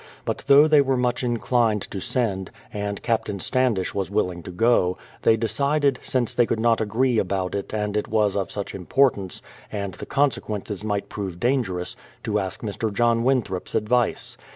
But though they were much inclined to send, and Captain Standish was willing to go, they decided, since they could not agree about it and it was of such importance, and the consequences might prove dangerous, to ask Mr. John Winthrop's advice.